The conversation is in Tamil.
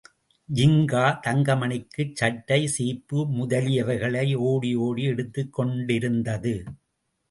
ஜின்கா தங்கமணிக்குச் சட்டை, சீப்பு முதலியவைகளை ஓடிஓடி எடுத்துக் கொடுத்துக்கொண்டிருந்தது.